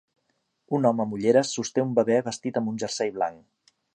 Un home amb ulleres sosté un bebè vestit amb un jersei blanc.